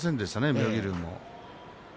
妙義龍も。